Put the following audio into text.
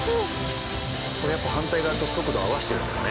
これやっぱ反対側と速度合わせてるんですかね？